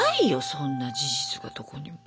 そんな事実がどこにも。